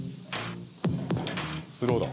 スローだ！